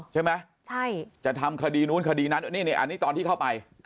ใช่ไหมจะทำคดีนู้นคดีนั้นนี่ตอนที่เข้าไป